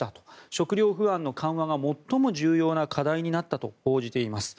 食糧不安の緩和が最も重要な課題になったと報じています。